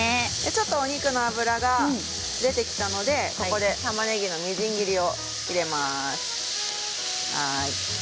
お肉の脂が出てきたので、ここでたまねぎのみじん切りを入れます。